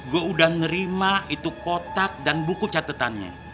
gua udah nerima itu kotak dan buku catetannya